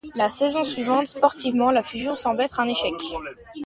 La saison suivante, sportivement, la fusion semble être un échec.